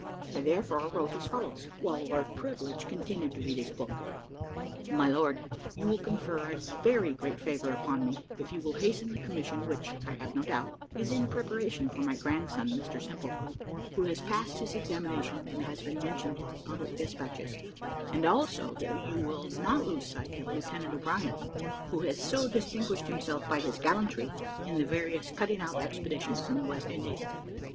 I therefore wrote as follows, while Lord Privilege continued to read his book: "MY LORD, You will confer a very great favour upon me, if you will hasten the commission which, I have no doubt, is in preparation for my grandson Mr Simple, who has passed his examination, and has been mentioned in the public despatches; and also that you will not lose sight of Lieutenant O'Brien, who has so distinguished himself by his gallantry in the various cutting out expeditions in the West Indies.